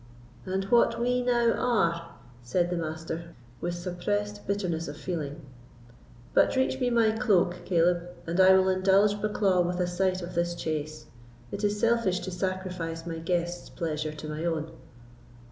"And what we now are," said the Master, with suppressed bitterness of feeling. "But reach me my cloak, Caleb, and I will indulge Bucklaw with a sight of this chase. It is selfish to sacrifice my guest's pleasure to my own."